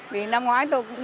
vì năm ngoái tôi cũng